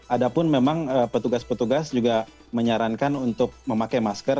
ada pun memang petugas petugas juga menyarankan untuk memakai masker